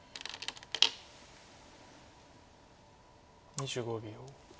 ２５秒。